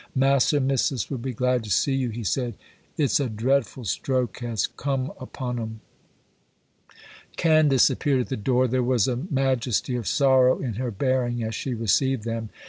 'Mass'r and Missis will be glad to see you,' he said. 'It's a drefful stroke has come upon 'em.' Candace appeared at the door. There was a majesty of sorrow in her bearing as she received them.